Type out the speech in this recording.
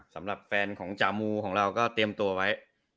สำหรับแฟนของจามูของเราก็เตรียมตัวไว้